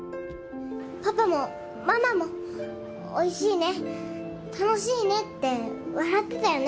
パパもママも「おいしいね楽しいね」って笑ってたよね。